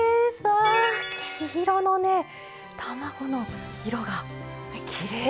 わあ黄色のね卵の色がきれいですね！